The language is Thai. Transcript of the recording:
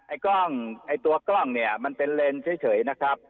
กล้องไอ้ตัวกล้องเนี่ยมันเป็นเลนส์เฉยนะครับ